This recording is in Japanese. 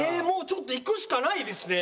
ちょっといくしかないですね。